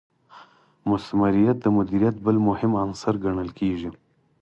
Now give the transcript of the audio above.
مثمریت د مدیریت بل مهم عنصر ګڼل کیږي.